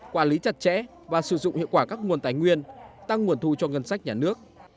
quản lý chặt chẽ và sử dụng hiệu quả các nguồn tài nguyên tăng nguồn thu cho ngân sách nhà nước